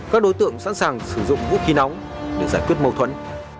các đối tượng sẵn sàng sử dụng vũ khí nóng để giải quyết mâu thuẫn